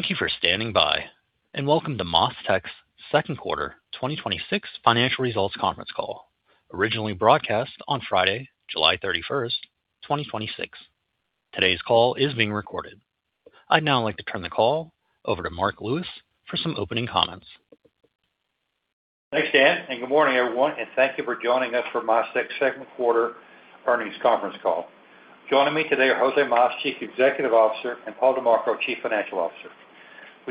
Thank you for standing by. Welcome to MasTec's second quarter 2026 financial results conference call, originally broadcast on Friday, July 31st, 2026. Today's call is being recorded. I'd now like to turn the call over to Marc Lewis for some opening comments. Thanks, Dan. Good morning, everyone. Thank you for joining us for MasTec's second quarter earnings conference call. Joining me today are José Mas, Chief Executive Officer, and Paul DiMarco, Chief Financial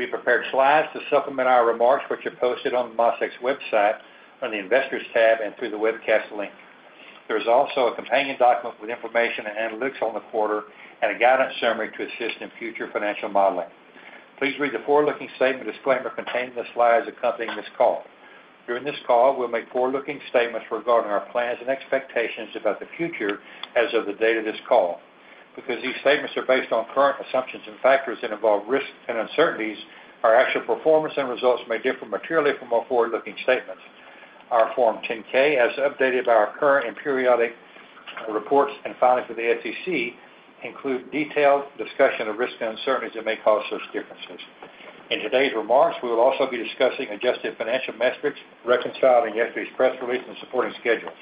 Officer. We prepared slides to supplement our remarks, which are posted on the MasTec's website, on the Investors tab and through the webcast link. There's also a companion document with information and analytics on the quarter and a guidance summary to assist in future financial modeling. Please read the forward-looking statement disclaimer contained in the slides accompanying this call. During this call, we'll make forward-looking statements regarding our plans and expectations about the future as of the date of this call. These statements are based on current assumptions and factors that involve risks and uncertainties, our actual performance and results may differ materially from our forward-looking statements. Our Form 10-K, as updated by our current and periodic reports and filings with the SEC, include detailed discussion of risks and uncertainties that may cause such differences. In today's remarks, we will also be discussing adjusted financial metrics, reconciling yesterday's press release and supporting schedules.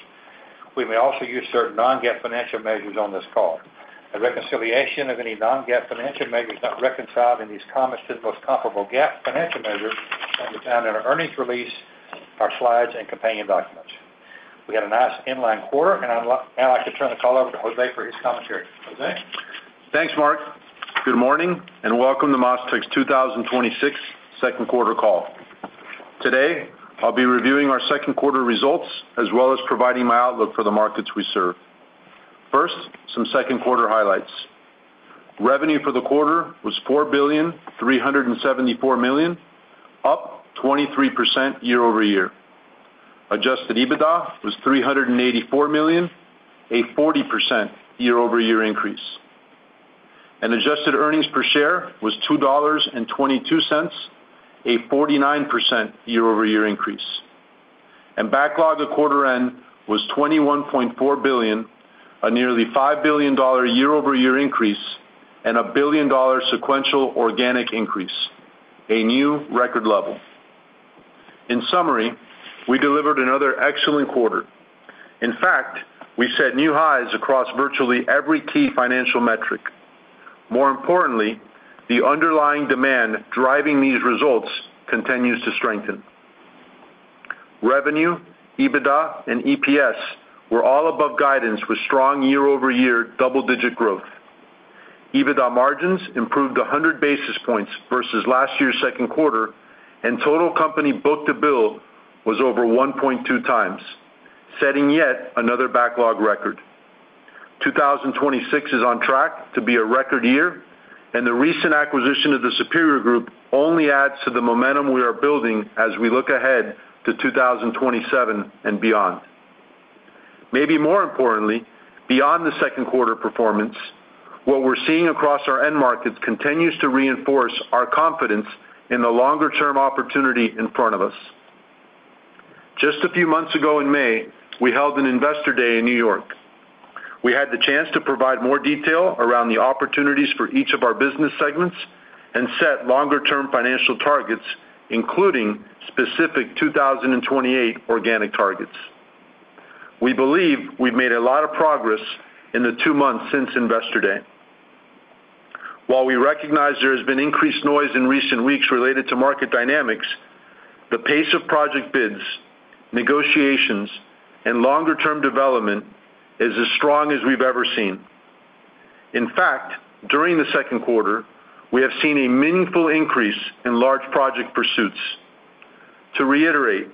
We may also use certain non-GAAP financial measures on this call. A reconciliation of any non-GAAP financial measures not reconciled in these comments to the most comparable GAAP financial measures can be found in our earnings release, our slides, and companion documents. We had a nice in-line quarter. I'd like now to turn the call over to José for his commentary. José? Thanks, Marc. Good morning. Welcome to MasTec's 2026 second quarter call. Today, I'll be reviewing our second quarter results as well as providing my outlook for the markets we serve. First, some second quarter highlights. Revenue for the quarter was $4.374 billion, up 23% year-over-year. Adjusted EBITDA was $384 million, a 40% year-over-year increase. Adjusted earnings per share was $2.22, a 49% year-over-year increase. Backlog at quarter end was $21.4 billion, a nearly $5 billion year-over-year increase and $1 billion sequential organic increase, a new record level. In summary, we delivered another excellent quarter. In fact, we set new highs across virtually every key financial metric. More importantly, the underlying demand driving these results continues to strengthen. Revenue, EBITDA, and EPS were all above guidance with strong year-over-year double-digit growth. EBITDA margins improved 100 basis points versus last year's second quarter, and total company book-to-bill was over 1.2x, setting yet another backlog record. 2026 is on track to be a record year, and the recent acquisition of The Superior Group only adds to the momentum we are building as we look ahead to 2027 and beyond. Maybe more importantly, beyond the second quarter performance, what we're seeing across our end markets continues to reinforce our confidence in the longer-term opportunity in front of us. Just a few months ago in May, we held an Investor Day in New York. We had the chance to provide more detail around the opportunities for each of our business segments and set longer-term financial targets, including specific 2028 organic targets. We believe we've made a lot of progress in the two months since Investor Day. While we recognize there has been increased noise in recent weeks related to market dynamics, the pace of project bids, negotiations, and longer-term development is as strong as we've ever seen. In fact, during the second quarter, we have seen a meaningful increase in large project pursuits. To reiterate,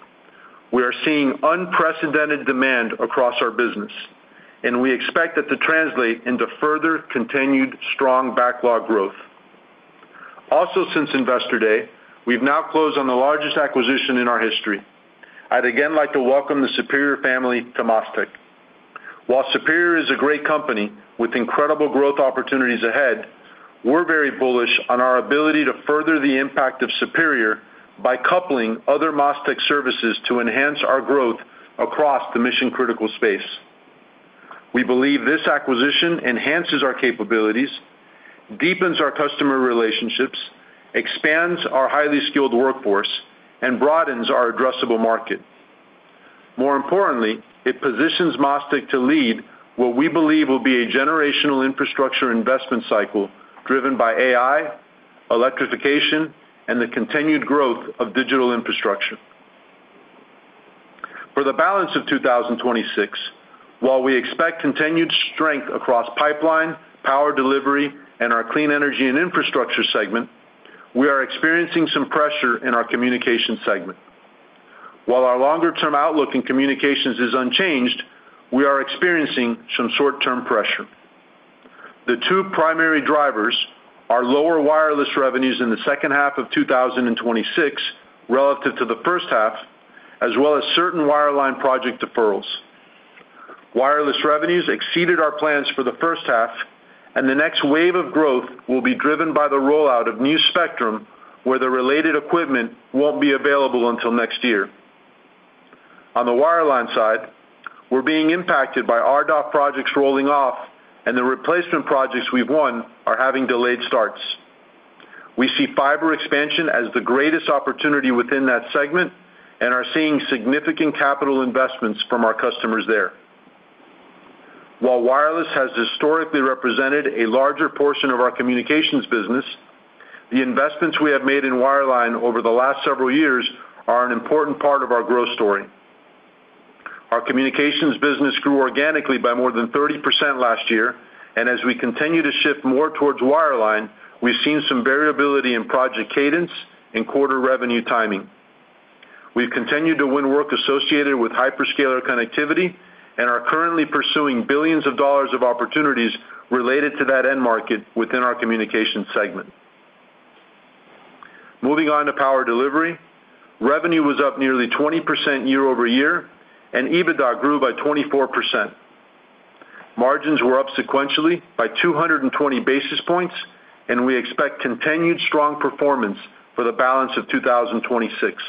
we are seeing unprecedented demand across our business, and we expect that to translate into further continued strong backlog growth. Also since Investor Day, we've now closed on the largest acquisition in our history. I'd again like to welcome the Superior family to MasTec. While Superior is a great company with incredible growth opportunities ahead, we're very bullish on our ability to further the impact of Superior by coupling other MasTec services to enhance our growth across the mission-critical space. We believe this acquisition enhances our capabilities, deepens our customer relationships, expands our highly skilled workforce, and broadens our addressable market. More importantly, it positions MasTec to lead what we believe will be a generational infrastructure investment cycle driven by AI, electrification, and the continued growth of digital infrastructure. For the balance of 2026, while we expect continued strength across pipeline, power delivery, and our clean energy and infrastructure segment, we are experiencing some pressure in our communication segment. While our longer-term outlook in communications is unchanged, we are experiencing some short-term pressure. The two primary drivers are lower wireless revenues in the second half of 2026 relative to the first half, as well as certain wireline project deferrals. Wireless revenues exceeded our plans for the first half, and the next wave of growth will be driven by the rollout of new spectrum where the related equipment won't be available until next year. On the wireline side, we're being impacted by RDOF projects rolling off, and the replacement projects we've won are having delayed starts. We see fiber expansion as the greatest opportunity within that segment and are seeing significant capital investments from our customers there. While wireless has historically represented a larger portion of our communications business, the investments we have made in wireline over the last several years are an important part of our growth story. Our communications business grew organically by more than 30% last year, and as we continue to shift more towards wireline, we've seen some variability in project cadence and quarter revenue timing. We've continued to win work associated with hyperscaler connectivity and are currently pursuing billions of dollars of opportunities related to that end market within our communication segment. Moving on to power delivery, revenue was up nearly 20% year-over-year, and EBITDA grew by 24%. Margins were up sequentially by 220 basis points, and we expect continued strong performance for the balance of 2026.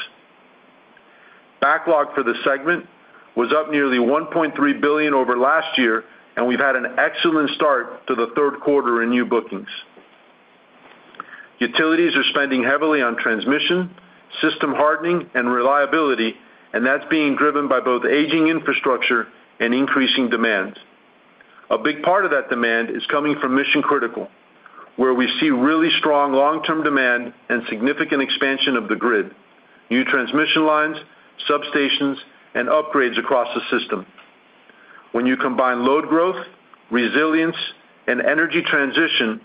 Backlog for the segment was up nearly $1.3 billion over last year, and we've had an excellent start to the third quarter in new bookings. Utilities are spending heavily on transmission, system hardening, and reliability, and that's being driven by both aging infrastructure and increasing demand. A big part of that demand is coming from mission-critical, where we see really strong long-term demand and significant expansion of the grid, new transmission lines, substations, and upgrades across the system. When you combine load growth, resilience, and energy transition,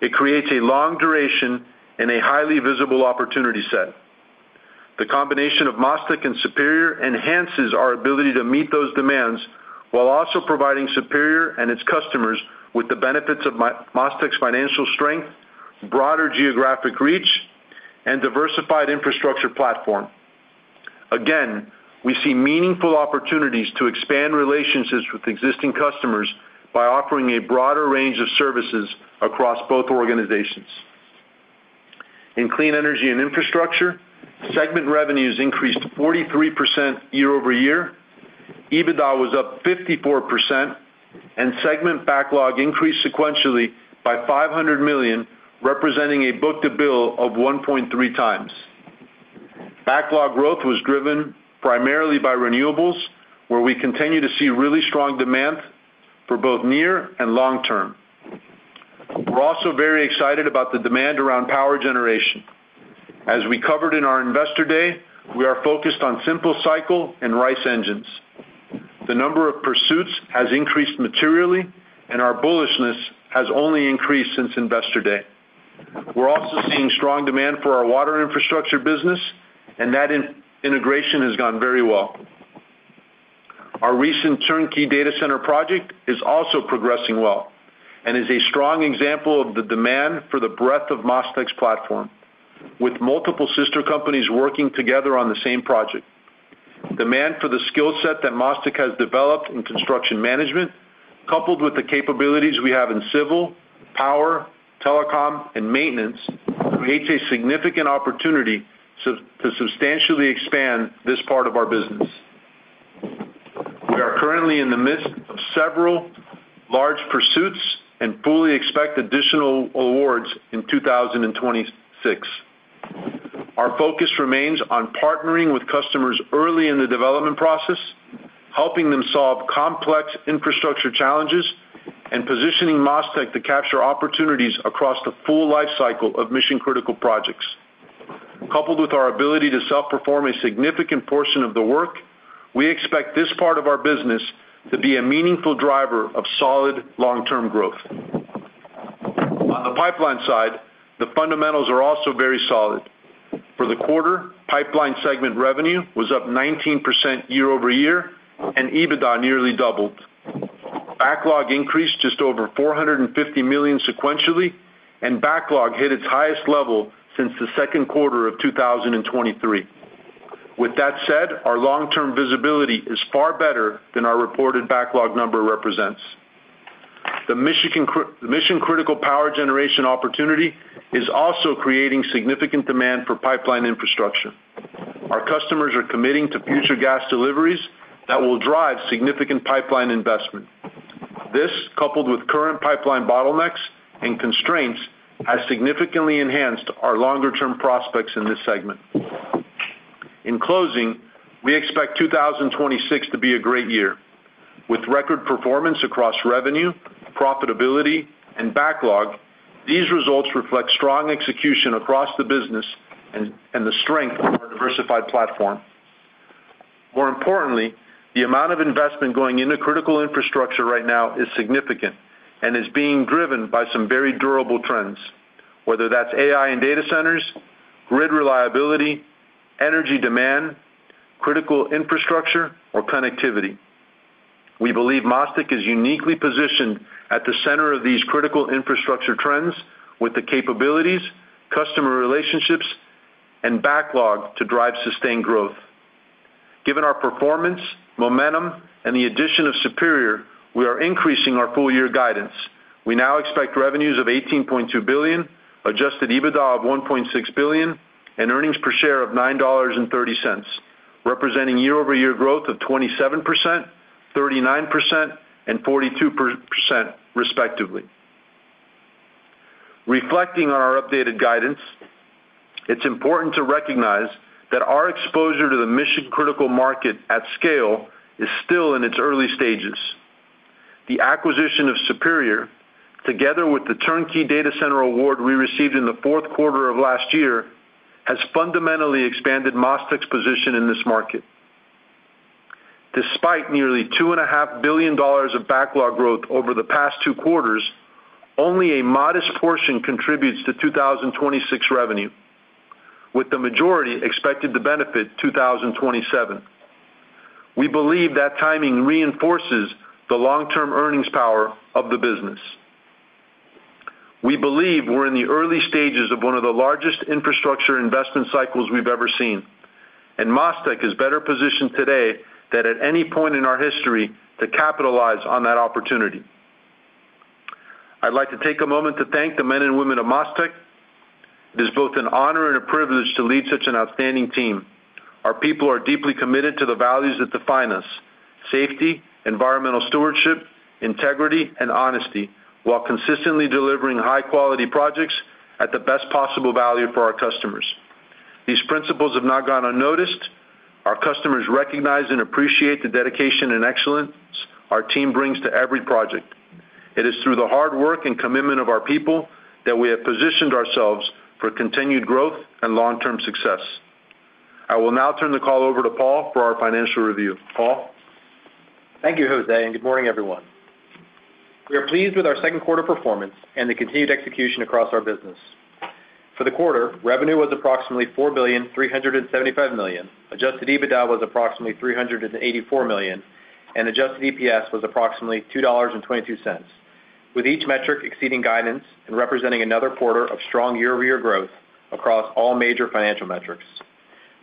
it creates a long duration and a highly visible opportunity set. The combination of MasTec and Superior enhances our ability to meet those demands while also providing Superior and its customers with the benefits of MasTec's financial strength, broader geographic reach, and diversified infrastructure platform. We see meaningful opportunities to expand relationships with existing customers by offering a broader range of services across both organizations. In clean energy and infrastructure, segment revenues increased 43% year-over-year, EBITDA was up 54%, and segment backlog increased sequentially by $500 million, representing a book-to-bill of 1.3x. Backlog growth was driven primarily by renewables, where we continue to see really strong demand for both near and long-term. We're also very excited about the demand around power generation. As we covered in our investor day, we are focused on simple-cycle and RICE engines. The number of pursuits has increased materially, and our bullishness has only increased since Investor Day. We're also seeing strong demand for our water infrastructure business, and that integration has gone very well. Our recent turnkey data center project is also progressing well and is a strong example of the demand for the breadth of MasTec's platform, with multiple sister companies working together on the same project. Demand for the skill set that MasTec has developed in construction management, coupled with the capabilities we have in civil, power, telecom, and maintenance, creates a significant opportunity to substantially expand this part of our business. We are currently in the midst of several large pursuits and fully expect additional awards in 2026. Our focus remains on partnering with customers early in the development process, helping them solve complex infrastructure challenges, and positioning MasTec to capture opportunities across the full life cycle of mission-critical projects. Coupled with our ability to self-perform a significant portion of the work, we expect this part of our business to be a meaningful driver of solid long-term growth. On the pipeline side, the fundamentals are also very solid. For the quarter, pipeline segment revenue was up 19% year-over-year, and EBITDA nearly doubled. Backlog increased just over $450 million sequentially, and backlog hit its highest level since the second quarter of 2023. With that said, our long-term visibility is far better than our reported backlog number represents. The mission-critical power generation opportunity is also creating significant demand for pipeline infrastructure. Our customers are committing to future gas deliveries that will drive significant pipeline investment. This, coupled with current pipeline bottlenecks and constraints, has significantly enhanced our longer-term prospects in this segment. In closing, we expect 2026 to be a great year. With record performance across revenue, profitability, and backlog, these results reflect strong execution across the business and the strength of our diversified platform. More importantly, the amount of investment going into critical infrastructure right now is significant and is being driven by some very durable trends, whether that's AI in data centers, grid reliability, energy demand, critical infrastructure, or connectivity. We believe MasTec is uniquely positioned at the center of these critical infrastructure trends with the capabilities, customer relationships, and backlog to drive sustained growth. Given our performance momentum, and the addition of Superior, we are increasing our full-year guidance. We now expect revenues of $18.2 billion, adjusted EBITDA of $1.6 billion, and earnings per share of $9.30, representing year-over-year growth of 27%, 39% and 42%, respectively. Reflecting on our updated guidance, it's important to recognize that our exposure to the mission-critical market at scale is still in its early stages. The acquisition of Superior, together with the turnkey data center award we received in the fourth quarter of last year, has fundamentally expanded MasTec's position in this market. Despite nearly $2.5 billion of backlog growth over the past two quarters, only a modest portion contributes to 2026 revenue, with the majority expected to benefit 2027. We believe that timing reinforces the long-term earnings power of the business. We believe we're in the early stages of one of the largest infrastructure investment cycles we've ever seen, and MasTec is better positioned today than at any point in our history to capitalize on that opportunity. I'd like to take a moment to thank the men and women of MasTec. It is both an honor and a privilege to lead such an outstanding team. Our people are deeply committed to the values that define us: safety, environmental stewardship, integrity, and honesty, while consistently delivering high-quality projects at the best possible value for our customers. These principles have not gone unnoticed. Our customers recognize and appreciate the dedication and excellence our team brings to every project. It is through the hard work and commitment of our people that we have positioned ourselves for continued growth and long-term success. I will now turn the call over to Paul for our financial review. Paul? Thank you, José, and good morning, everyone. We are pleased with our second quarter performance and the continued execution across our business. For the quarter, revenue was approximately $4.375 billion, adjusted EBITDA was approximately $384 million and adjusted EPS was approximately $2.22. With each metric exceeding guidance and representing another quarter of strong year-over-year growth across all major financial metrics.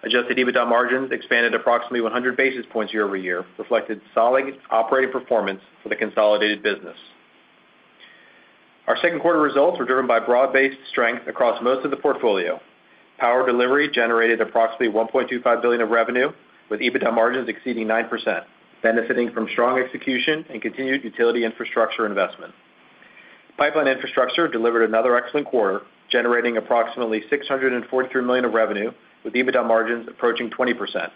Adjusted EBITDA margins expanded approximately 100 basis points year-over-year, reflected solid operating performance for the consolidated business. Our second quarter results were driven by broad-based strength across most of the portfolio. Power delivery generated approximately $1.25 billion of revenue, with EBITDA margins exceeding 9%, benefiting from strong execution and continued utility infrastructure investment. Pipeline infrastructure delivered another excellent quarter, generating approximately $643 million of revenue, with EBITDA margins approaching 20%,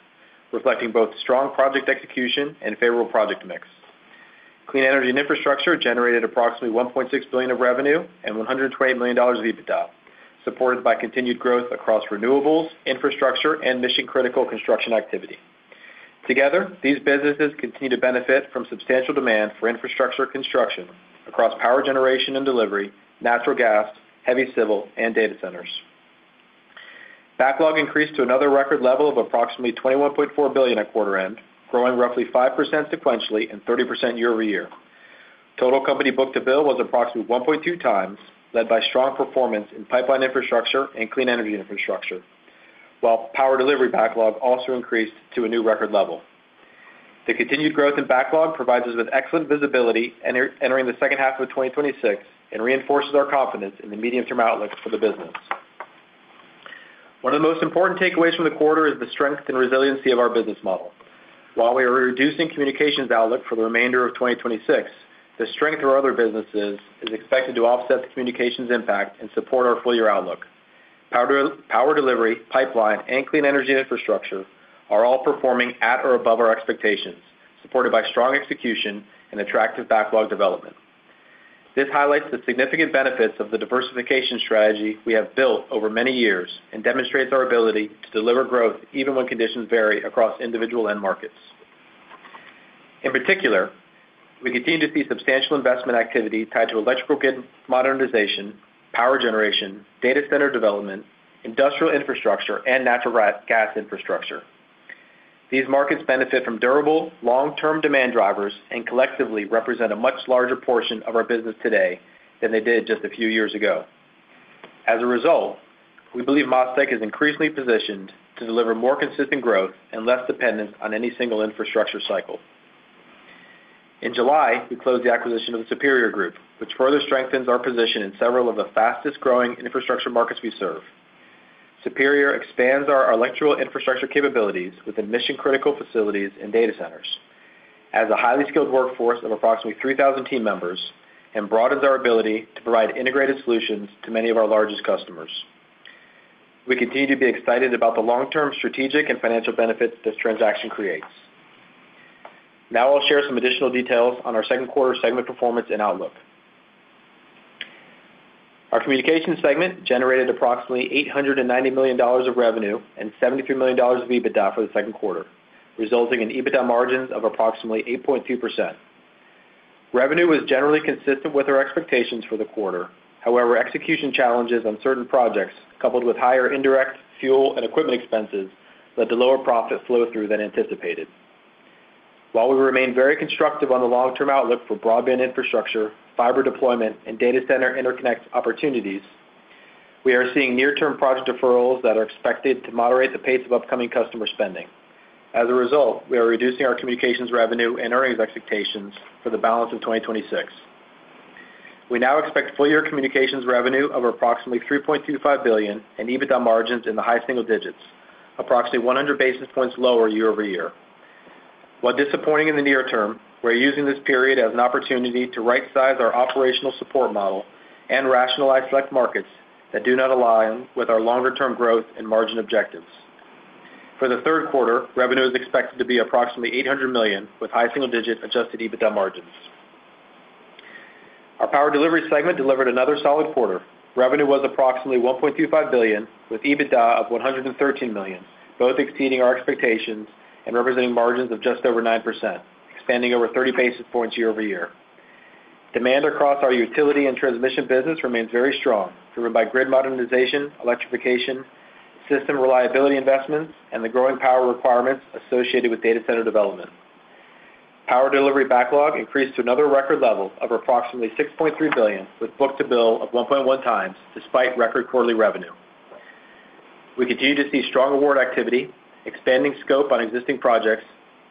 reflecting both strong project execution and favorable project mix. Clean energy and infrastructure generated approximately $1.6 billion of revenue and $120 million of EBITDA, supported by continued growth across renewables, infrastructure, and mission-critical construction activity. Together, these businesses continue to benefit from substantial demand for infrastructure construction across power generation and delivery, natural gas, heavy civil, and data centers. Backlog increased to another record level of approximately $21.4 billion at quarter end, growing roughly 5% sequentially and 30% year-over-year. Total company book-to-bill was approximately 1.2x, led by strong performance in pipeline infrastructure and clean energy infrastructure. Power delivery backlog also increased to a new record level. The continued growth in backlog provides us with excellent visibility entering the second half of 2026 and reinforces our confidence in the medium-term outlook for the business. One of the most important takeaways from the quarter is the strength and resiliency of our business model. We are reducing communications outlook for the remainder of 2026, the strength of our other businesses is expected to offset the communications impact and support our full-year outlook. Power delivery, pipeline, and clean energy infrastructure are all performing at or above our expectations, supported by strong execution and attractive backlog development. This highlights the significant benefits of the diversification strategy we have built over many years and demonstrates our ability to deliver growth even when conditions vary across individual end markets. In particular, we continue to see substantial investment activity tied to electrical grid modernization, power generation, data center development, industrial infrastructure, and natural gas infrastructure. These markets benefit from durable, long-term demand drivers and collectively represent a much larger portion of our business today than they did just a few years ago. We believe MasTec is increasingly positioned to deliver more consistent growth and less dependent on any single infrastructure cycle. In July, we closed the acquisition of The Superior Group, which further strengthens our position in several of the fastest-growing infrastructure markets we serve. Superior expands our electrical infrastructure capabilities within mission-critical facilities and data centers, has a highly skilled workforce of approximately 3,000 team members, and broadens our ability to provide integrated solutions to many of our largest customers. We continue to be excited about the long-term strategic and financial benefits this transaction creates. I'll share some additional details on our second quarter segment performance and outlook. Our communication segment generated approximately $890 million of revenue and $73 million of EBITDA for the second quarter, resulting in EBITDA margins of approximately 8.2%. Revenue was generally consistent with our expectations for the quarter. Execution challenges on certain projects, coupled with higher indirect fuel and equipment expenses, led to lower profit flow through than anticipated. We remain very constructive on the long-term outlook for broadband infrastructure, fiber deployment, and data center interconnect opportunities. We are seeing near-term project deferrals that are expected to moderate the pace of upcoming customer spending. We are reducing our communications revenue and earnings expectations for the balance of 2026. We now expect full-year communications revenue of approximately $3.25 billion and EBITDA margins in the high single digits, approximately 100 basis points lower year-over-year. Disappointing in the near term, we're using this period as an opportunity to right size our operational support model and rationalize select markets that do not align with our longer-term growth and margin objectives. For the third quarter, revenue is expected to be approximately $800 million, with high single-digit adjusted EBITDA margins. Our Power Delivery segment delivered another solid quarter. Revenue was approximately $1.25 billion, with EBITDA of $113 million, both exceeding our expectations and representing margins of just over 9%, expanding over 30 basis points year-over-year. Demand across our utility and transmission business remains very strong, driven by grid modernization, electrification, system reliability investments, and the growing power requirements associated with data center development. Power Delivery backlog increased to another record level of approximately $6.3 billion, with book-to-bill of 1.1x, despite record quarterly revenue. We continue to see strong award activity, expanding scope on existing projects,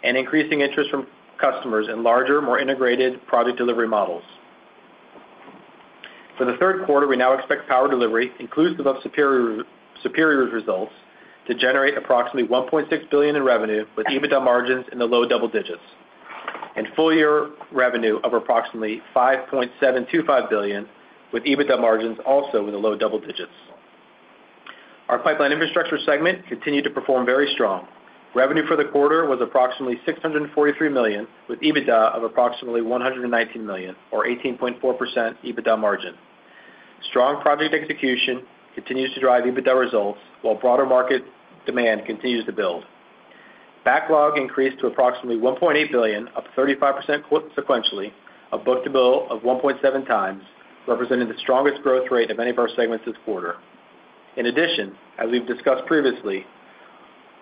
and increasing interest from customers in larger, more integrated product delivery models. For the third quarter, we now expect Power Delivery inclusive of Superior's results to generate approximately $1.6 billion in revenue, with EBITDA margins in the low double digits and full-year revenue of approximately $5.725 billion, with EBITDA margins also in the low double digits. Our Pipeline Infrastructure segment continued to perform very strong. Revenue for the quarter was approximately $643 million, with EBITDA of approximately $119 million or 18.4% EBITDA margin. Strong project execution continues to drive EBITDA results, while broader market demand continues to build. Backlog increased to approximately $1.8 billion, up 35% sequentially, a book-to-bill of 1.7x, representing the strongest growth rate of any of our segments this quarter. In addition, as we've discussed previously,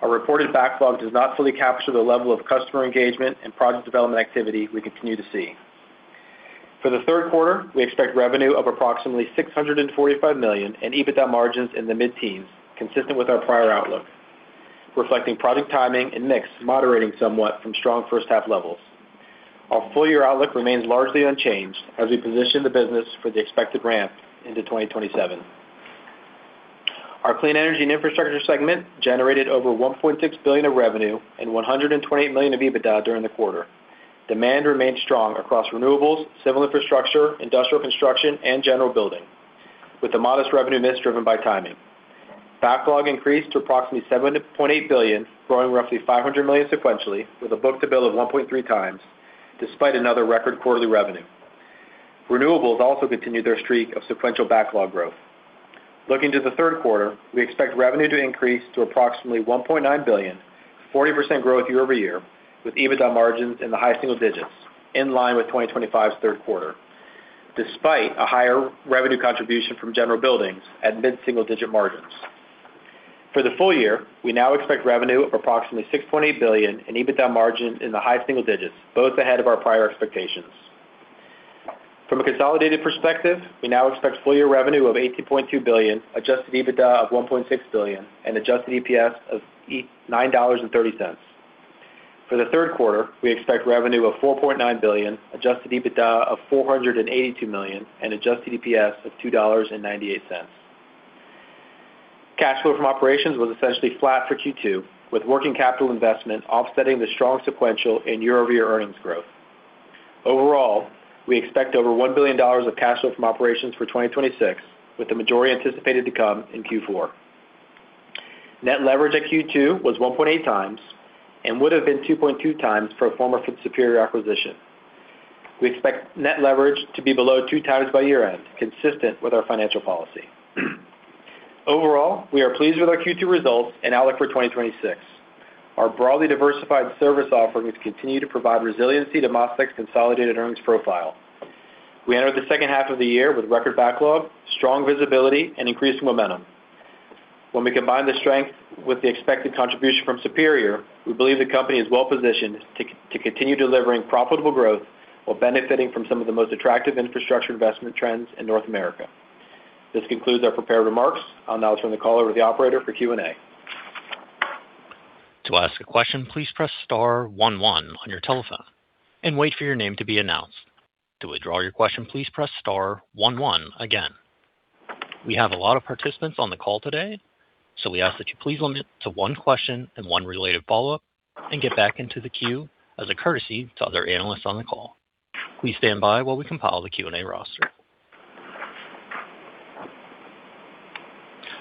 our reported backlog does not fully capture the level of customer engagement and product development activity we continue to see. For the third quarter, we expect revenue of approximately $645 million and EBITDA margins in the mid-teens, consistent with our prior outlook, reflecting product timing and mix moderating somewhat from strong first half levels. Our full-year outlook remains largely unchanged as we position the business for the expected ramp into 2027. Our Clean Energy and Infrastructure segment generated over $1.6 billion of revenue and $128 million of EBITDA during the quarter. Demand remained strong across renewables, civil infrastructure, industrial construction, and general building, with the modest revenue mix driven by timing. Backlog increased to approximately $7.8 billion, growing roughly $500 million sequentially, with a book-to-bill of 1.3x, despite another record quarterly revenue. Renewables also continued their streak of sequential backlog growth. Looking to the third quarter, we expect revenue to increase to approximately $1.9 billion, 40% growth year-over-year, with EBITDA margins in the high single digits, in line with 2025's third quarter, despite a higher revenue contribution from general buildings at mid-single digit margins. For the full-year, we now expect revenue of approximately $6.8 billion and EBITDA margin in the high single digits, both ahead of our prior expectations. From a consolidated perspective, we now expect full-year revenue of $18.2 billion, adjusted EBITDA of $1.6 billion, and adjusted EPS of $9.30. For the third quarter, we expect revenue of $4.9 billion, adjusted EBITDA of $482 million, and adjusted EPS of $2.98. Cash flow from operations was essentially flat for Q2, with working capital investment offsetting the strong sequential and year-over-year earnings growth. Overall, we expect over $1 billion of cash flow from operations for 2026, with the majority anticipated to come in Q4. Net leverage at Q2 was 1.8x and would have been 2.2x pro forma for the Superior acquisition. We expect net leverage to be below 2x by year end, consistent with our financial policy. Overall, we are pleased with our Q2 results and outlook for 2026. Our broadly diversified service offerings continue to provide resiliency to MasTec's consolidated earnings profile. We entered the second half of the year with record backlog, strong visibility, and increasing momentum. When we combine the strength with the expected contribution from Superior, we believe the company is well positioned to continue delivering profitable growth while benefiting from some of the most attractive infrastructure investment trends in North America. This concludes our prepared remarks. I'll now turn the call over to the operator for Q&A. To ask a question, please press star one one on your telephone and wait for your name to be announced. To withdraw your question, please press star one one again. We have a lot of participants on the call today, we ask that you please limit to one question and one related follow-up and get back into the queue as a courtesy to other analysts on the call. Please stand by while we compile the Q&A roster.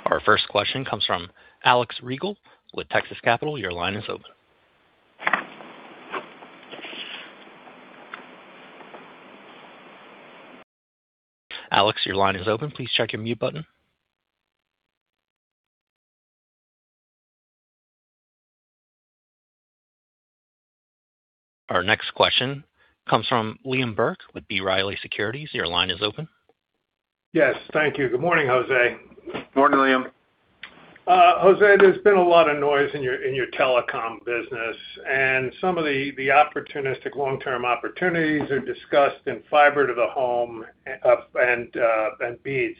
Our first question comes from Alex Rygiel with Texas Capital. Your line is open. Alex, your line is open. Please check your mute button. Our next question comes from Liam Burke with B. Riley Securities. Your line is open. Yes. Thank you. Good morning, José. Morning, Liam José, there's been a lot of noise in your telecom business and some of the opportunistic long-term opportunities are discussed in fiber-to-the home and BEAD.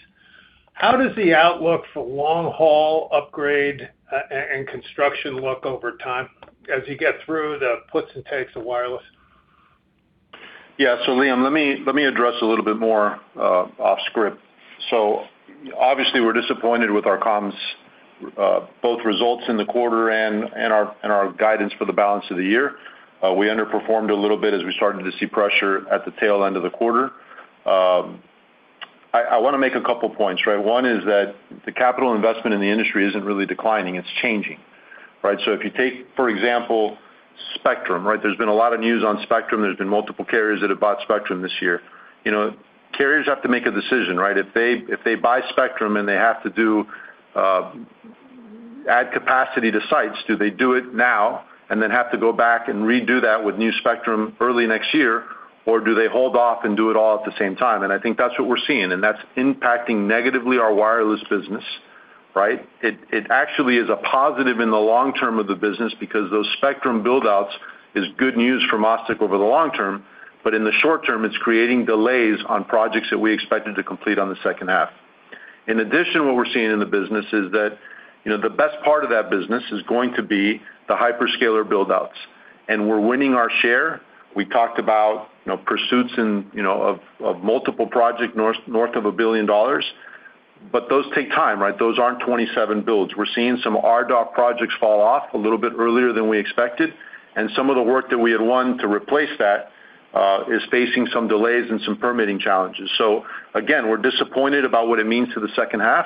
How does the outlook for long-haul upgrade and construction look over time as you get through the puts and takes of wireless? Yeah. Liam, let me address a little bit more off script. Obviously we're disappointed with our comms, both results in the quarter and our guidance for the balance of the year. We underperformed a little bit as we started to see pressure at the tail end of the quarter. I want to make a couple points, right? One is that the capital investment in the industry isn't really declining, it's changing, right? If you take, for example, spectrum, right? There's been a lot of news on spectrum. There's been multiple carriers that have bought spectrum this year. Carriers have to make a decision, right? If they buy spectrum and they have to add capacity to sites, do they do it now and then have to go back and redo that with new spectrum early next year? Do they hold off and do it all at the same time? I think that's what we're seeing, and that's impacting negatively our wireless business, right? It actually is a positive in the long term of the business because those spectrum build-outs is good news for MasTec over the long term. In the short term, it's creating delays on projects that we expected to complete on the second half. In addition, what we're seeing in the business is that the best part of that business is going to be the hyperscaler build-outs, and we're winning our share. We talked about pursuits of multiple project north of $1 billion. Those take time, right? Those aren't 27 builds. We're seeing some RDOF projects fall off a little bit earlier than we expected, and some of the work that we had won to replace that, is facing some delays and some permitting challenges. Again, we're disappointed about what it means to the second half,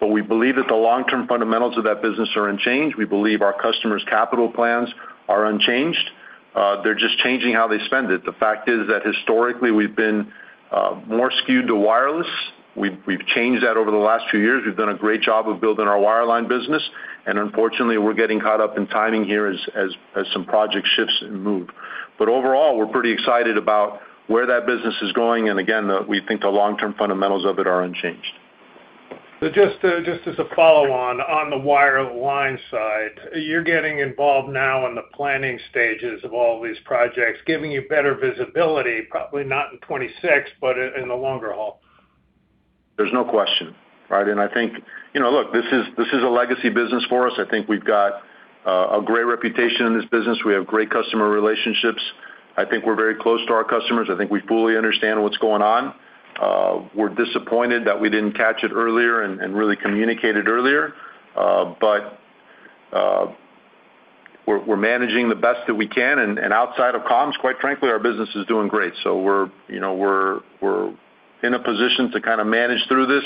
but we believe that the long-term fundamentals of that business are unchanged. We believe our customers' capital plans are unchanged. They're just changing how they spend it. The fact is that historically we've been more skewed to wireless. We've changed that over the last few years. We've done a great job of building our wireline business, and unfortunately, we're getting caught up in timing here as some project shifts and move. Overall, we're pretty excited about where that business is going. Again, we think the long-term fundamentals of it are unchanged. Just as a follow-on on the wireline side, you're getting involved now in the planning stages of all these projects, giving you better visibility, probably not in 2026, but in the longer haul. There's no question, right? I think, look, this is a legacy business for us. I think we've got a great reputation in this business. We have great customer relationships. I think we're very close to our customers. I think we fully understand what's going on. We're disappointed that we didn't catch it earlier and really communicate it earlier. We're managing the best that we can, and outside of comms, quite frankly, our business is doing great. We're in a position to kind of manage through this,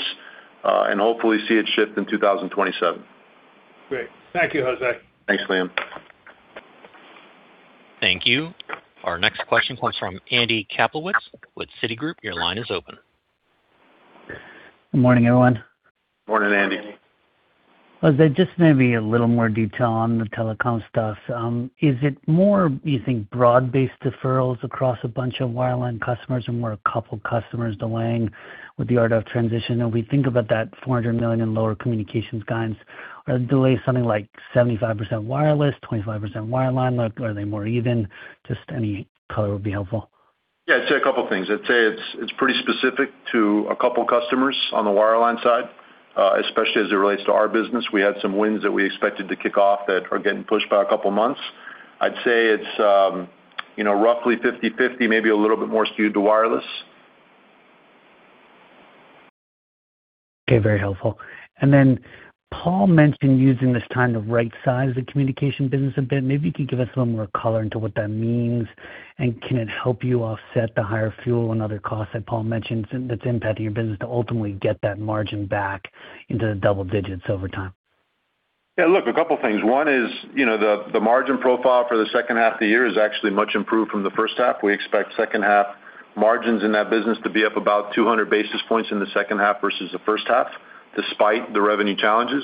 and hopefully see it shift in 2027. Great. Thank you, José. Thanks, Liam. Thank you. Our next question comes from Andy Kaplowitz with Citigroup. Your line is open. Good morning, everyone. Morning, Andy. José, maybe a little more detail on the telecom stuff. Is it more, you think, broad-based deferrals across a bunch of wireline customers or more a couple customers delaying with the RDOF transition? If we think about that $400 million in lower communications guidance, are the delays something like 75% wireless, 25% wireline? Are they more even? Any color would be helpful. I'd say a couple of things. I'd say it's pretty specific to a couple of customers on the wireline side, especially as it relates to our business. We had some wins that we expected to kick off that are getting pushed by a couple of months. I'd say it's roughly 50/50, maybe a little bit more skewed to wireless. Very helpful. Paul mentioned using this time to right-size the communication business a bit. Maybe you could give us a little more color into what that means, can it help you offset the higher fuel and other costs that Paul mentioned that's impacting your business to ultimately get that margin back into the double digits over time? Look, a couple of things. One is the margin profile for the second half of the year is actually much improved from the first half. We expect second half margins in that business to be up about 200 basis points in the second half versus the first half, despite the revenue challenges.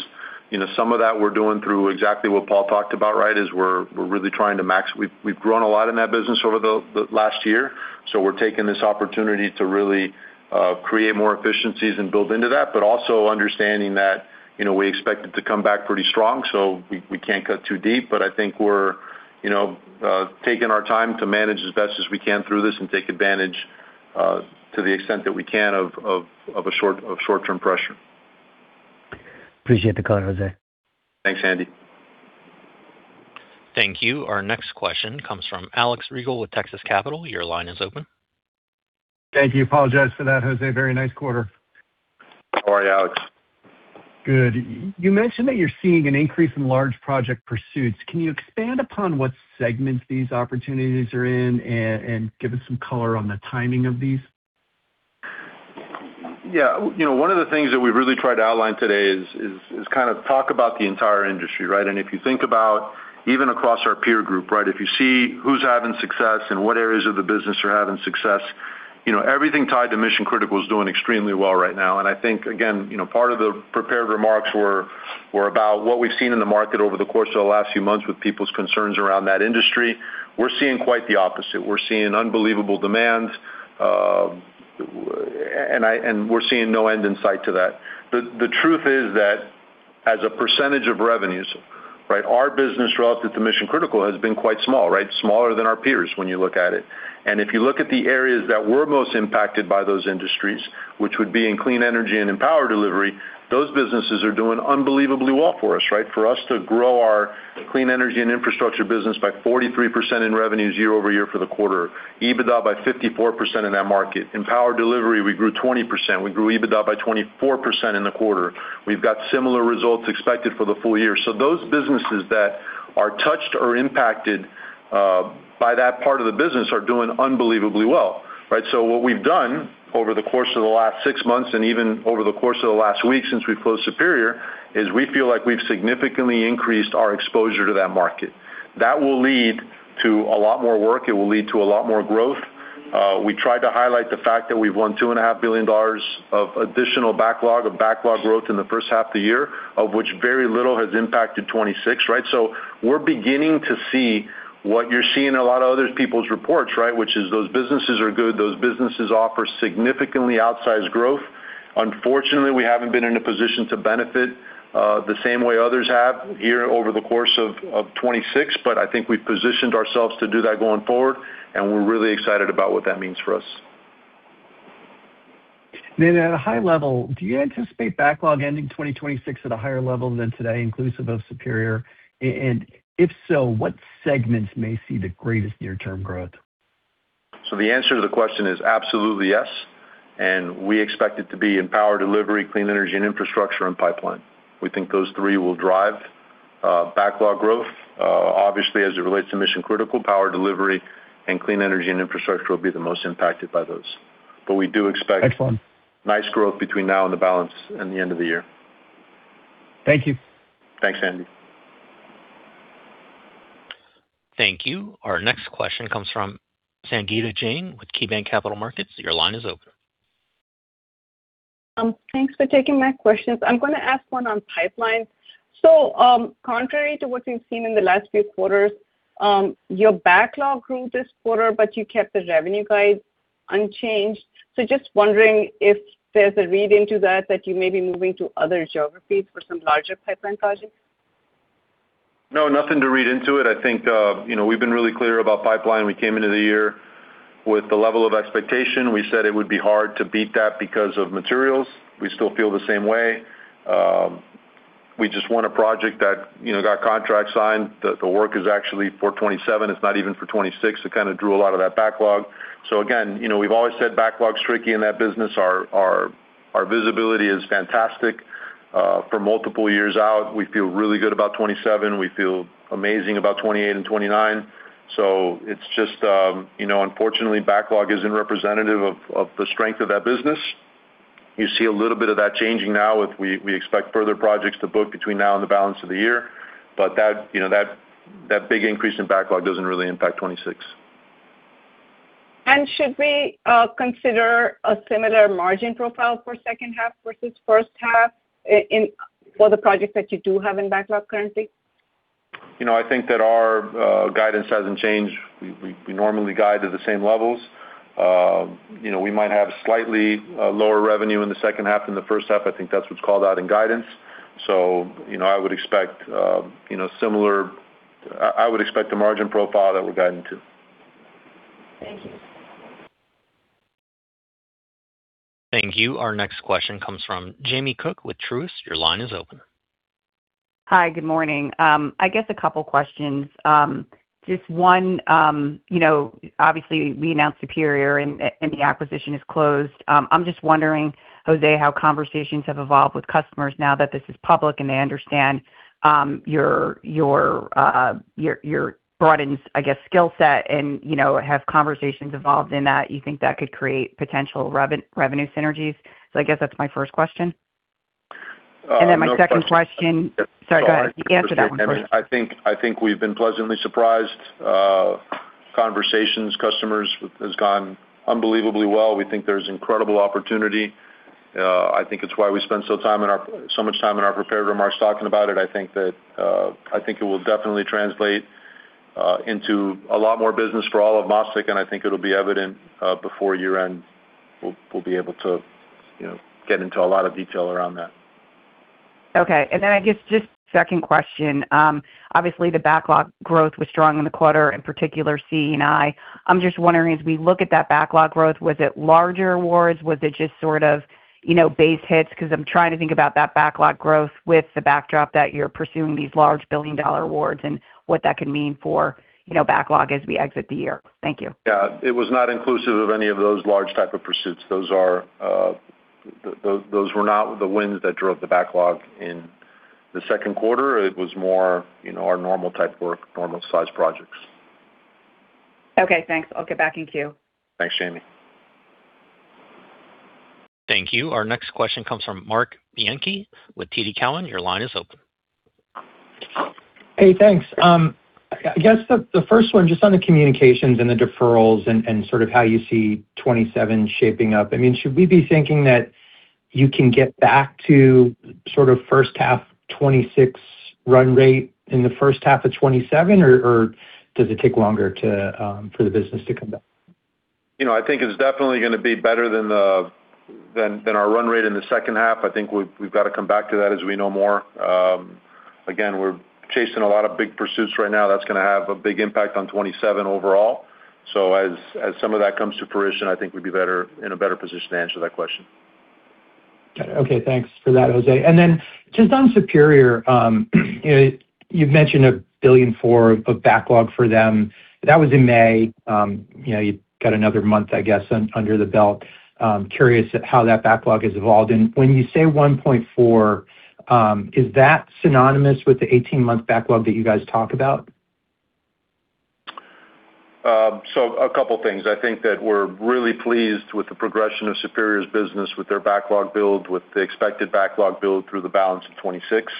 Some of that we're doing through exactly what Paul talked about, right, is we're really trying to max. We've grown a lot in that business over the last year. We're taking this opportunity to really create more efficiencies and build into that, also understanding that we expect it to come back pretty strong, we can't cut too deep. I think we're taking our time to manage as best as we can through this and take advantage, to the extent that we can of short-term pressure. Appreciate the color, José. Thanks, Andy. Thank you. Our next question comes from Alex Rygiel with Texas Capital. Your line is open. Thank you. Apologize for that, José. Very nice quarter. How are you, Alex? Good. You mentioned that you're seeing an increase in large project pursuits. Can you expand upon what segments these opportunities are in and give us some color on the timing of these? Yeah. One of the things that we really tried to outline today is kind of talk about the entire industry, right? If you think about even across our peer group, right, if you see who's having success and what areas of the business are having success, everything tied to mission-critical is doing extremely well right now. I think, again, part of the prepared remarks were about what we've seen in the market over the course of the last few months with people's concerns around that industry. We're seeing quite the opposite. We're seeing unbelievable demand. We're seeing no end in sight to that. The truth is that as a percentage of revenues, our business relative to mission-critical has been quite small. Smaller than our peers when you look at it. If you look at the areas that were most impacted by those industries, which would be in clean energy and in power delivery, those businesses are doing unbelievably well for us. For us to grow our clean energy and infrastructure business by 43% in revenues year-over-year for the quarter, EBITDA by 54% in that market. In power delivery, we grew 20%, we grew EBITDA by 24% in the quarter. We've got similar results expected for the full-year. Those businesses that are touched or impacted by that part of the business are doing unbelievably well. What we've done over the course of the last 6 months, and even over the course of the last week since we've closed Superior, is we feel like we've significantly increased our exposure to that market. That will lead to a lot more work, it will lead to a lot more growth. We tried to highlight the fact that we've won $2.5 billion of additional backlog, of backlog growth in the first half of the year, of which very little has impacted 2026. We're beginning to see what you're seeing in a lot of other people's reports, which is those businesses are good, those businesses offer significantly outsized growth. Unfortunately, we haven't been in a position to benefit the same way others have here over the course of 2026. I think we've positioned ourselves to do that going forward, and we're really excited about what that means for us. At a high level, do you anticipate backlog ending 2026 at a higher level than today, inclusive of Superior? If so, what segments may see the greatest near-term growth? The answer to the question is absolutely yes. We expect it to be in power delivery, clean energy and infrastructure, and pipeline. We think those three will drive backlog growth. Obviously, as it relates to mission-critical, power delivery, and clean energy and infrastructure will be the most impacted by those. Excellent We expect nice growth between now and the balance and the end of the year. Thank you. Thanks, Alex. Thank you. Our next question comes from Sangita Jain with KeyBanc Capital Markets. Your line is open. Thanks for taking my questions. I'm going to ask one on pipelines. Contrary to what we've seen in the last few quarters, your backlog grew this quarter, but you kept the revenue guide unchanged. Just wondering if there's a read into that you may be moving to other geographies for some larger pipeline projects? No, nothing to read into it. I think we've been really clear about pipeline. We came into the year with the level of expectation. We said it would be hard to beat that because of materials. We still feel the same way. We just won a project that got contract signed. The work is actually for 2027. It's not even for 2026. It kind of drew a lot of that backlog. Again, we've always said backlog's tricky in that business. Our visibility is fantastic for multiple years out. We feel really good about 2027. We feel amazing about 2028 and 2029. It's just unfortunately, backlog isn't representative of the strength of that business. You see a little bit of that changing now with we expect further projects to book between now and the balance of the year. That big increase in backlog doesn't really impact 2026. Should we consider a similar margin profile for second half versus first half for the projects that you do have in backlog currently? I think that our guidance hasn't changed. We normally guide to the same levels. We might have slightly lower revenue in the second half than the first half. I think that's what's called out in guidance. I would expect the margin profile that we're guiding to. Thank you. Thank you. Our next question comes from Jamie Cook with Truist. Your line is open. Hi. Good morning. I guess a couple questions. Just one, obviously we announced Superior and the acquisition is closed. I'm just wondering, José, how conversations have evolved with customers now that this is public and they understand your broadened skill set and have conversations evolved in that you think that could create potential revenue synergies? I guess that's my first question. Sorry, go ahead. You can answer that one first. I think we've been pleasantly surprised. Conversations, customers, has gone unbelievably well. We think there's incredible opportunity. I think it's why we spent so much time in our prepared remarks talking about it. I think it will definitely translate into a lot more business for all of MasTec, and I think it'll be evident before year-end. We'll be able to get into a lot of detail around that. Okay. I guess just second question. Obviously, the backlog growth was strong in the quarter, in particular C&I. I'm just wondering, as we look at that backlog growth, was it larger awards? Was it just sort of base hits? Because I'm trying to think about that backlog growth with the backdrop that you're pursuing these large billion-dollar awards and what that could mean for backlog as we exit the year. Thank you. Yeah, it was not inclusive of any of those large type of pursuits. Those were not the wins that drove the backlog in the second quarter. It was more our normal type work, normal size projects. Okay, thanks. I'll get back in queue. Thanks, Jamie. Thank you. Our next question comes from Marc Bianchi with TD Cowen. Your line is open. Hey, thanks. I guess the first one, just on the Communications and the deferrals and sort of how you see 2027 shaping up. Should we be thinking that you can get back to sort of first half 2026 run rate in the first half of 2027, or does it take longer for the business to come back? I think it's definitely going to be better than our run rate in the second half. I think we've got to come back to that as we know more. Again, we're chasing a lot of big pursuits right now that's going to have a big impact on 2027 overall. As some of that comes to fruition, I think we'd be in a better position to answer that question. Got it. Okay. Thanks for that, José. Just on Superior, you've mentioned $1.4 billion of backlog for them. That was in May. You've got another month, I guess, under the belt. I'm curious how that backlog has evolved. When you say $1.4 billion, is that synonymous with the 18-month backlog that you guys talk about? A couple things. I think that we're really pleased with the progression of Superior's business, with their backlog build, with the expected backlog build through the balance of 2026.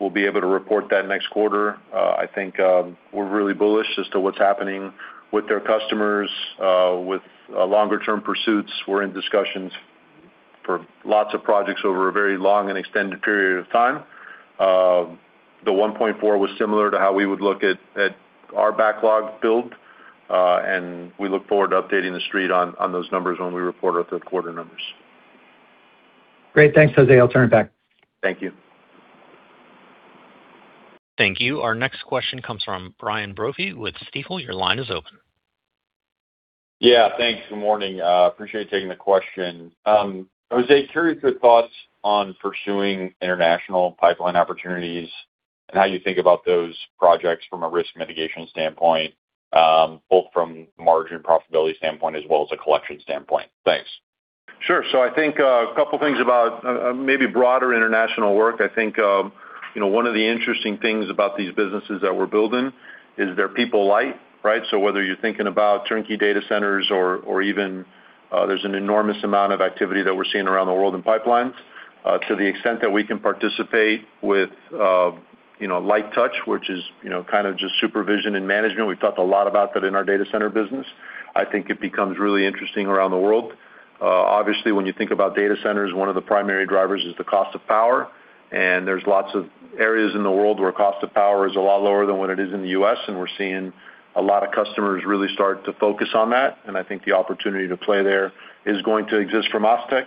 We'll be able to report that next quarter. I think we're really bullish as to what's happening with their customers, with longer-term pursuits. We're in discussions for lots of projects over a very long and extended period of time. The $1.4 billion was similar to how we would look at our backlog build. We look forward to updating the Street on those numbers when we report our third quarter numbers. Great. Thanks, José. I'll turn it back. Thank you. Thank you. Our next question comes from Brian Brophy with Stifel. Your line is open. Yeah, thanks. Good morning. Appreciate taking the question. José, curious your thoughts on pursuing international pipeline opportunities and how you think about those projects from a risk mitigation standpoint, both from margin profitability standpoint as well as a collection standpoint. Thanks. Sure. I think a couple things about maybe broader international work. I think one of the interesting things about these businesses that we're building is they're people light, right? Whether you're thinking about turnkey data centers or even there's an enormous amount of activity that we're seeing around the world in pipelines. To the extent that we can participate with light touch, which is kind of just supervision and management. We've talked a lot about that in our data center business. I think it becomes really interesting around the world. Obviously, when you think about data centers, one of the primary drivers is the cost of power, and there's lots of areas in the world where cost of power is a lot lower than what it is in the U.S., and we're seeing a lot of customers really start to focus on that. I think the opportunity to play there is going to exist from MasTec,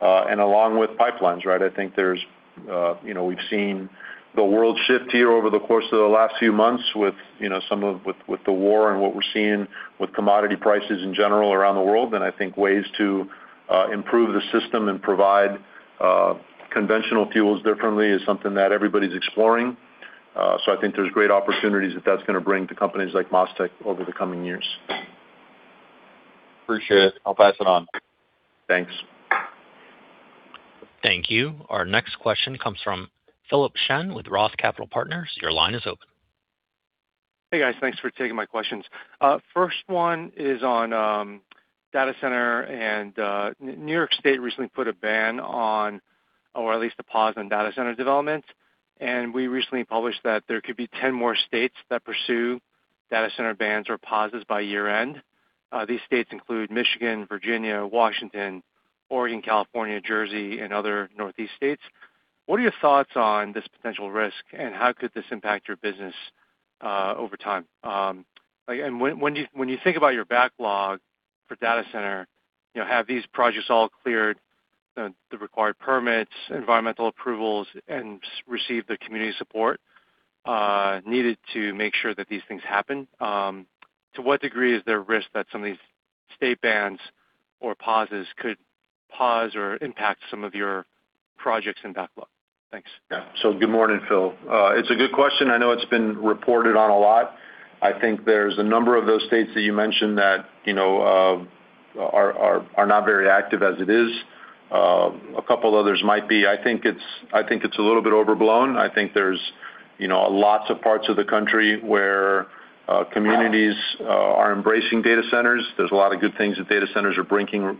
and along with pipelines, right? I think we've seen the world shift here over the course of the last few months with the war and what we're seeing with commodity prices in general around the world, I think ways to improve the system and provide conventional fuels differently is something that everybody's exploring. I think there's great opportunities that that's going to bring to companies like MasTec over the coming years. Appreciate it. I'll pass it on. Thanks. Thank you. Our next question comes from Philip Shen with ROTH Capital Partners. Your line is open. Hey, guys. Thanks for taking my questions. First one is on data center. New York State recently put a ban on, or at least a pause on data center development. We recently published that there could be 10 more states that pursue data center bans or pauses by year-end. These states include Michigan, Virginia, Washington, Oregon, California, Jersey, and other Northeast states. What are your thoughts on this potential risk, and how could this impact your business over time? When you think about your backlog for data center, have these projects all cleared the required permits, environmental approvals, and received the community support needed to make sure that these things happen? To what degree is there risk that some of these state bans or pauses could pause or impact some of your projects and backlog? Thanks. Yeah. Good morning, Phil. It's a good question. I know it's been reported on a lot. I think there's a number of those states that you mentioned that are not very active as it is. A couple others might be. I think it's a little bit overblown. I think there's lots of parts of the country where communities are embracing data centers. There's a lot of good things that data centers are bringing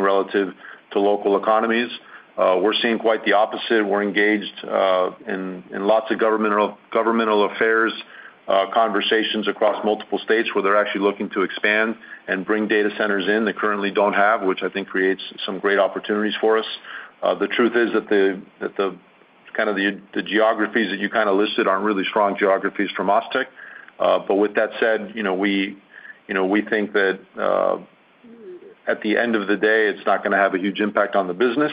relative to local economies. We're seeing quite the opposite. We're engaged in lots of governmental affairs conversations across multiple states where they're actually looking to expand and bring data centers in they currently don't have, which I think creates some great opportunities for us. The truth is that the geographies that you listed aren't really strong geographies from MasTec. With that said, we think that at the end of the day, it's not going to have a huge impact on the business.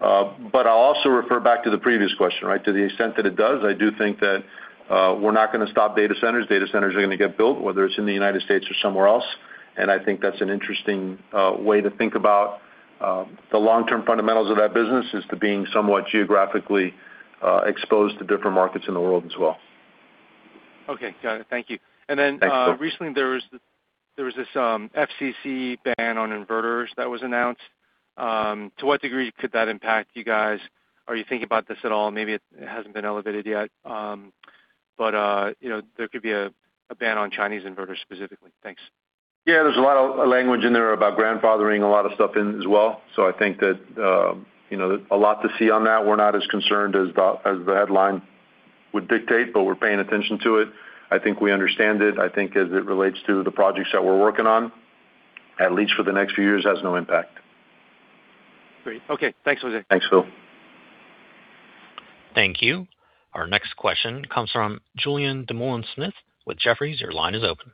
I'll also refer back to the previous question, right? To the extent that it does, I do think that we're not going to stop data centers. Data centers are going to get built, whether it's in the United States or somewhere else. I think that's an interesting way to think about the long-term fundamentals of that business as to being somewhat geographically exposed to different markets in the world as well. Okay. Got it. Thank you. Thanks, Phil. Recently there was this FCC ban on inverters that was announced. To what degree could that impact you guys? Are you thinking about this at all? Maybe it hasn't been elevated yet. There could be a ban on Chinese inverters specifically. Thanks. Yeah, there's a lot of language in there about grandfathering a lot of stuff in as well. I think that a lot to see on that. We're not as concerned as the headline would dictate, but we're paying attention to it. I think we understand it. I think as it relates to the projects that we're working on, at least for the next few years, it has no impact. Great. Okay. Thanks, José. Thanks, Phil. Thank you. Our next question comes from Julien Dumoulin-Smith with Jefferies. Your line is open.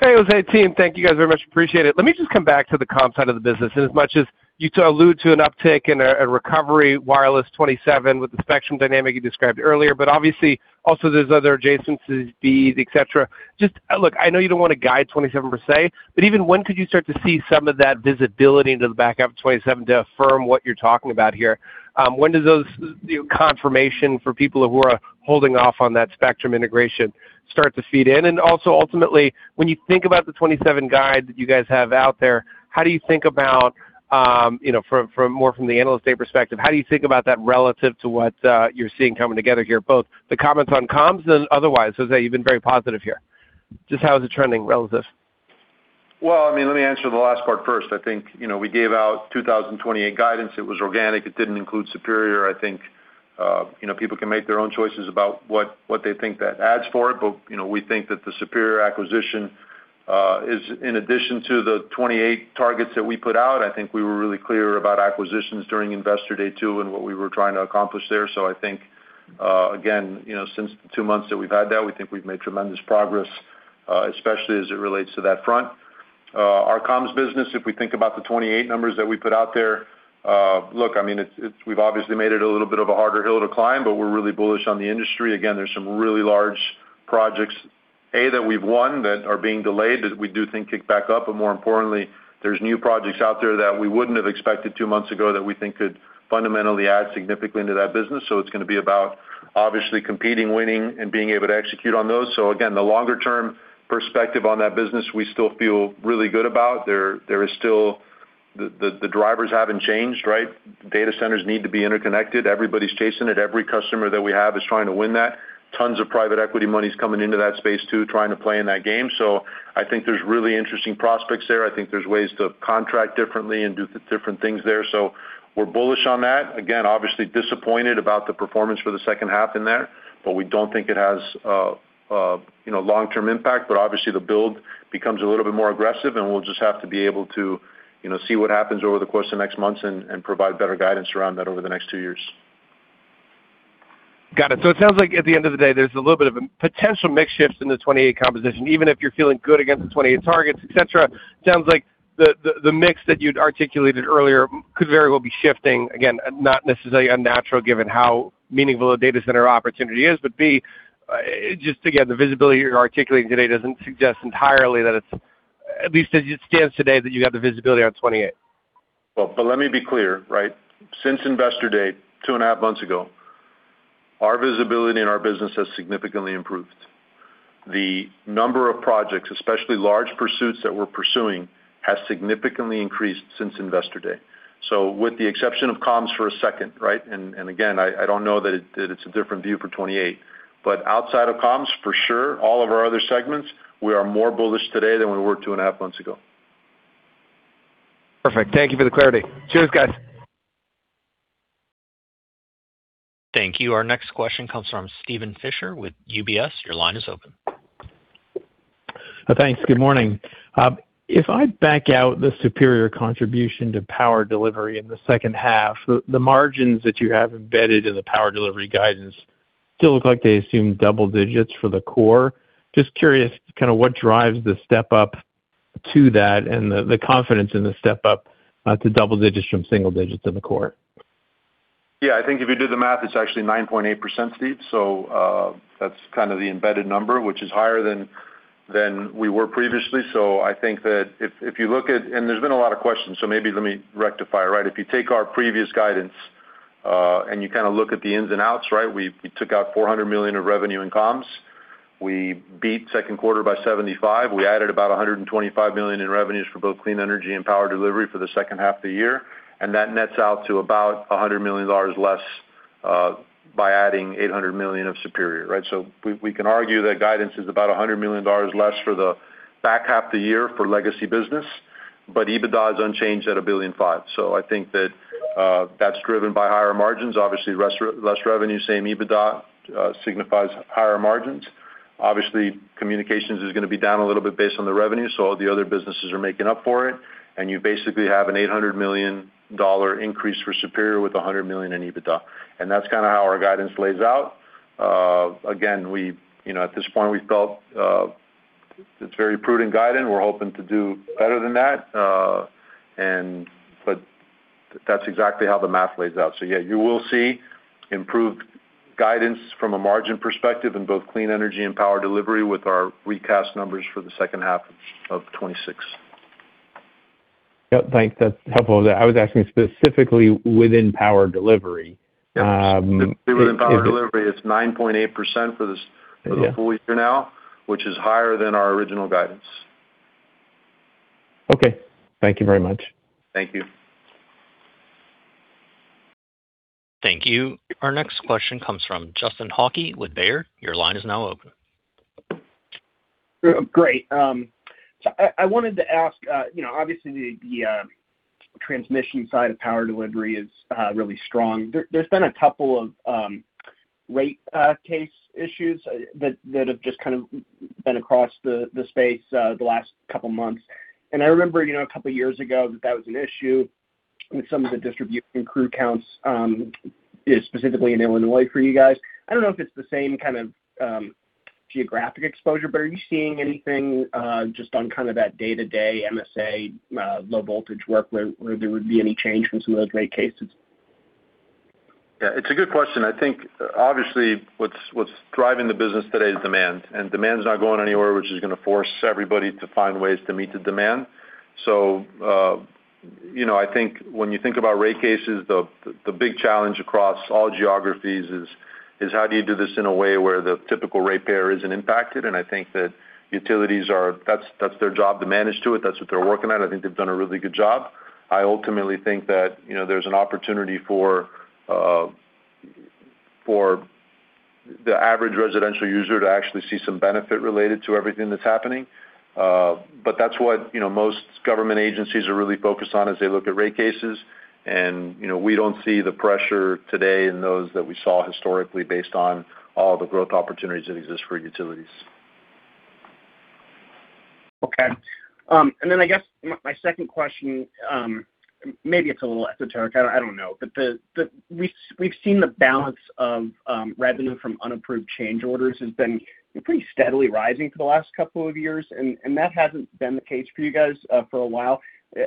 Hey, José, team. Thank you, guys, very much. Appreciate it. Let me just come back to the comms side of the business. As much as you allude to an uptick in a recovery wireless 2027 with the spectrum dynamic you described earlier, obviously also there's other adjacencies, feed, et cetera. Look, I know you don't want to guide 2027 per se, but even when could you start to see some of that visibility into the back half of 2027 to affirm what you're talking about here? When does the confirmation for people who are holding off on that spectrum integration start to feed in? Also ultimately, when you think about the 2027 guide that you guys have out there, how do you think about, more from the analyst day perspective, how do you think about that relative to what you're seeing coming together here, both the comments on comms and otherwise, José, you've been very positive here. How is it trending relative? Well, let me answer the last part first. I think, we gave out 2028 guidance. It was organic. It didn't include Superior. I think, people can make their own choices about what they think that adds for it. We think that the Superior acquisition is in addition to the 2028 targets that we put out. I think we were really clear about acquisitions during Investor Day too and what we were trying to accomplish there. I think, again, since the two months that we've had that, we think we've made tremendous progress, especially as it relates to that front. Our comms business, if we think about the 2028 numbers that we put out there, look, we've obviously made it a little bit of a harder hill to climb, but we're really bullish on the industry. There's some really large projects, A, that we've won that are being delayed that we do think kick back up. More importantly, there's new projects out there that we wouldn't have expected two months ago that we think could fundamentally add significantly into that business. It's going to be about obviously competing, winning, and being able to execute on those. Again, the longer-term perspective on that business, we still feel really good about. There is still- the drivers haven't changed, right? Data centers need to be interconnected. Everybody's chasing it. Every customer that we have is trying to win that. Tons of private equity money is coming into that space too, trying to play in that game. I think there's really interesting prospects there. I think there's ways to contract differently and do different things there. We're bullish on that. Obviously disappointed about the performance for the second half in there, we don't think it has long-term impact. Obviously the build becomes a little bit more aggressive and we'll just have to be able to see what happens over the course of the next months and provide better guidance around that over the next two years. Got it. It sounds like at the end of the day, there's a little bit of a potential mix shift in the 2028 composition, even if you're feeling good against the 2028 targets, et cetera. It sounds like the mix that you'd articulated earlier could very well be shifting. Not necessarily unnatural given how meaningful a data center opportunity is. B, just again, the visibility you're articulating today doesn't suggest entirely that it's, at least as it stands today, that you have the visibility on 2028. Let me be clear. Since Investor Day two and a half months ago, our visibility in our business has significantly improved. The number of projects, especially large pursuits that we're pursuing, has significantly increased since Investor Day. With the exception of comms for a second, and again, I don't know that it's a different view for 2028. Outside of comms, for sure, all of our other segments, we are more bullish today than we were two and a half months ago. Perfect. Thank you for the clarity. Cheers, guys. Thank you. Our next question comes from Steven Fisher with UBS. Your line is open. Thanks. Good morning. If I back out the Superior contribution to power delivery in the second half, the margins that you have embedded in the power delivery guidance still look like they assume double digits for the core. Just curious what drives the step-up to that and the confidence in the step-up to double digits from single digits in the core. I think if you do the math, it's actually 9.8%, Steve. That's the embedded number, which is higher than we were previously. There's been a lot of questions, maybe let me rectify. If you take our previous guidance, you look at the ins and outs, we took out $400 million of revenue in comms. We beat second quarter by $75. We added about $125 million in revenues for both Clean Energy and Power Delivery for the second half of the year. That nets out to about $100 million less by adding $800 million of Superior. We can argue that guidance is about $100 million less for the back half of the year for legacy business, EBITDA is unchanged at $1.5 billion. I think that's driven by higher margins. Obviously, less revenue, same EBITDA signifies higher margins. Obviously, communications is going to be down a little bit based on the revenue, all the other businesses are making up for it. You basically have an $800 million increase for Superior with $100 million in EBITDA. That's how our guidance lays out. Again, at this point, we felt it's very prudent guidance. We're hoping to do better than that. That's exactly how the math lays out. You will see improved guidance from a margin perspective in both Clean Energy and Power Delivery with our recast numbers for the second half of 2026. Thanks. That's helpful. I was asking specifically within Power Delivery. Within Power Delivery, it's 9.8% for the- Yeah Full-year now, which is higher than our original guidance. Okay. Thank you very much. Thank you. Thank you. Our next question comes from Justin Hauke with Baird. Your line is now open. Great. I wanted to ask, obviously, the transmission side of power delivery is really strong. There's been a couple of rate case issues that have just kind of been across the space the last couple of months. I remember a couple of years ago that that was an issue with some of the distribution crew counts, specifically in Illinois for you guys. I don't know if it's the same kind of geographic exposure, but are you seeing anything just on kind of that day-to-day MSA low-voltage work where there would be any change from some of those rate cases? Yeah, it's a good question. I think, obviously, what's driving the business today is demand, and demand's not going anywhere, which is going to force everybody to find ways to meet the demand. I think when you think about rate cases, the big challenge across all geographies is how do you do this in a way where the typical rate payer isn't impacted? I think that utilities are, that's their job to manage to it. That's what they're working at. I think they've done a really good job. I ultimately think that there's an opportunity for the average residential user to actually see some benefit related to everything that's happening. That's what most government agencies are really focused on as they look at rate cases. We don't see the pressure today in those that we saw historically based on all the growth opportunities that exist for utilities. Okay. I guess my second question, maybe it's a little esoteric, I don't know. We've seen the balance of revenue from unapproved change orders has been pretty steadily rising for the last couple of years, and that hasn't been the case for you guys for a while.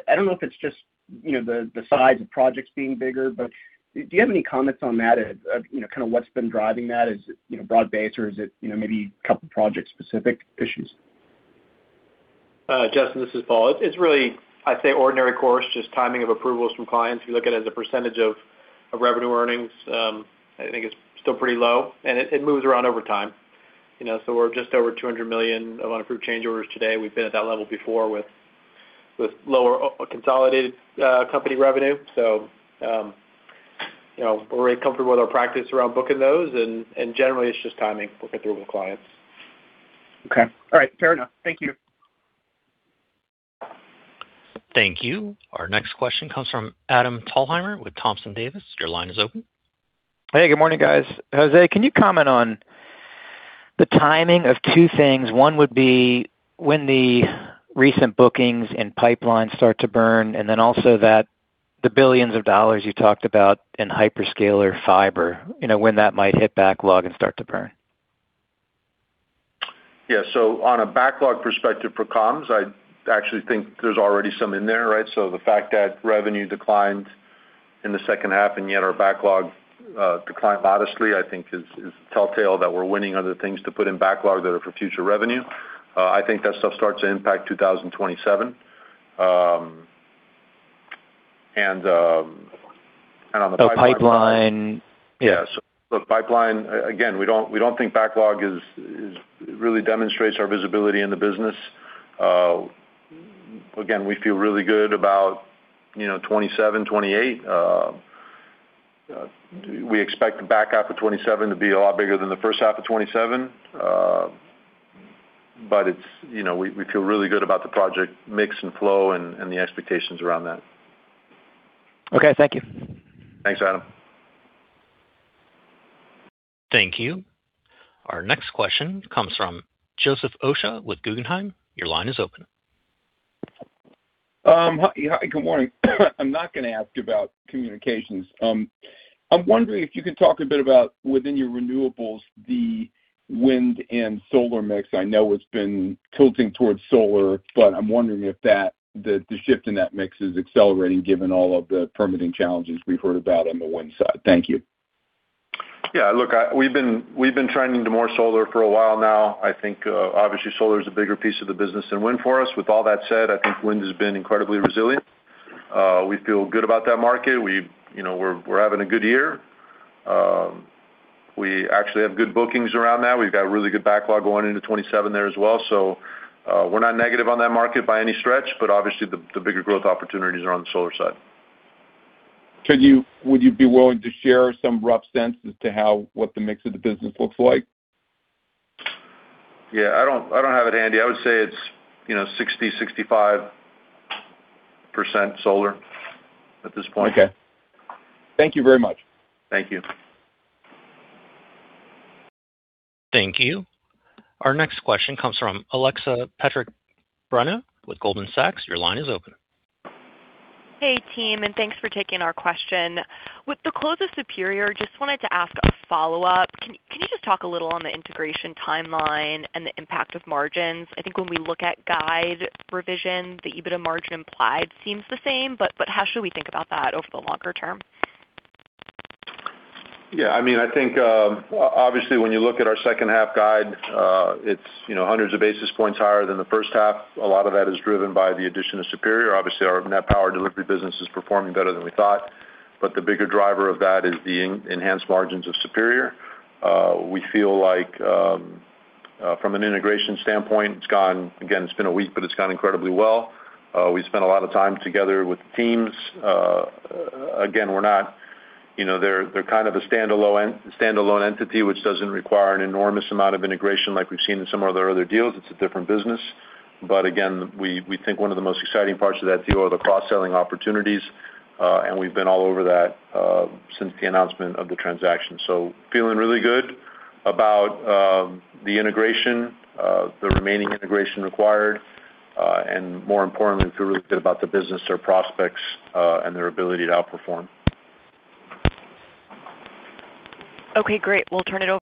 I don't know if it's just the size of projects being bigger, but do you have any comments on that? Kind of what's been driving that? Is it broad-based or is it maybe a couple of project-specific issues? Justin, this is Paul. It's really, I'd say, ordinary course, just timing of approvals from clients. We look at it as a percentage of revenue earnings. I think it's still pretty low, and it moves around over time. We're just over $200 million of unapproved change orders today. We've been at that level before with lower consolidated company revenue. We're very comfortable with our practice around booking those, and generally, it's just timing, working through with clients. Okay. All right. Fair enough. Thank you. Thank you. Our next question comes from Adam Thalhimer with Thompson Davis. Your line is open. Hey, good morning, guys. José, can you comment on the timing of two things? One would be when the recent bookings and pipelines start to burn, and then also that the billions of dollars you talked about in hyperscaler fiber, when that might hit backlog and start to burn. Yeah. On a backlog perspective for comms, I actually think there's already some in there, right? The fact that revenue declined in the second half and yet our backlog declined modestly, I think is telltale that we're winning other things to put in backlog that are for future revenue. I think that stuff starts to impact 2027. On the pipeline The pipeline. Yeah. Yeah. Look, pipeline, again, we don't think backlog really demonstrates our visibility in the business. Again, we feel really good about 2027, 2028. We expect the back half of 2027 to be a lot bigger than the first half of 2027. We feel really good about the project mix and flow and the expectations around that. Okay. Thank you. Thanks, Adam. Thank you. Our next question comes from Joseph Osha with Guggenheim. Your line is open. Hi, good morning. I'm not going to ask about communications. I'm wondering if you can talk a bit about within your renewables, the wind and solar mix. I know it's been tilting towards solar, but I'm wondering if the shift in that mix is accelerating given all of the permitting challenges we've heard about on the wind side. Thank you. Yeah, look, we've been trending to more solar for a while now. I think, obviously, solar is a bigger piece of the business than wind for us. With all that said, I think wind has been incredibly resilient. We feel good about that market. We're having a good year. We actually have good bookings around that. We've got really good backlog going into 2027 there as well. We're not negative on that market by any stretch, but obviously the bigger growth opportunities are on the solar side. Would you be willing to share some rough sense as to what the mix of the business looks like? Yeah, I don't have it handy. I would say it's 60%-65% solar at this point. Okay. Thank you very much. Thank you. Thank you. Our next question comes from Alexa Petrick-Brennan with Goldman Sachs. Your line is open. Hey, team. Thanks for taking our question. With the close of Superior, just wanted to ask a follow-up. Can you just talk a little on the integration timeline and the impact of margins? I think when we look at guide revision, the EBITDA margin implied seems the same, but how should we think about that over the longer term? I think, obviously, when you look at our second half guide, it's hundreds of basis points higher than the first half. A lot of that is driven by the addition of Superior. Obviously, our net power delivery business is performing better than we thought, but the bigger driver of that is the enhanced margins of Superior. We feel like from an integration standpoint, it's gone. Again, it's been a week, but it's gone incredibly well. We spent a lot of time together with the teams. Again, we're not. They're kind of a standalone entity, which doesn't require an enormous amount of integration like we've seen in some of our other deals. It's a different business. Again, we think one of the most exciting parts of that deal are the cross-selling opportunities. We've been all over that since the announcement of the transaction. Feeling really good about the integration, the remaining integration required, and more importantly, feel really good about the business, their prospects, and their ability to outperform. Okay, great. We'll turn it over.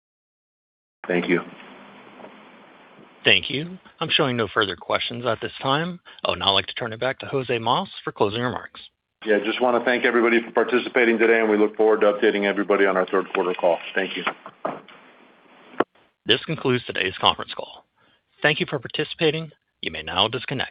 Thank you. Thank you. I'm showing no further questions at this time. I would now like to turn it back to José Mas for closing remarks. Yeah. Just want to thank everybody for participating today, and we look forward to updating everybody on our third quarter call. Thank you. This concludes today's conference call. Thank you for participating. You may now disconnect.